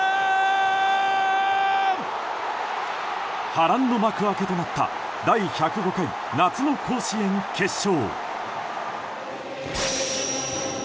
波乱の幕開けとなった第１０５回夏の甲子園決勝。